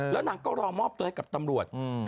แล้วนางก็รอมอบตัวให้กับตำรวจ